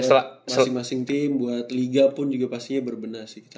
masing masing tim buat liga pun juga pastinya berbenah sih